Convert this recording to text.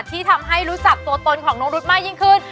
ที่ทำให้รู้จักตัวตนของน้องรุ๊ดมากยิ่งขึ้น